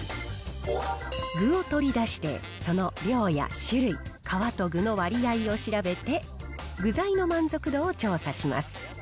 具を取り出して、その量や種類、皮と具の割合を調べて、具材の満足度を調査します。